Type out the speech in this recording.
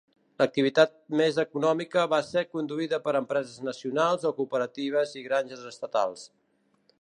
L'activitat més econòmica va ser conduïda per empreses nacionals o cooperatives i granges estatals.